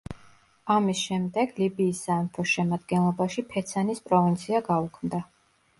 ამის შემდეგ, ლიბიის სამეფოს შემადგენლობაში ფეცანის პროვინცია გაუქმდა.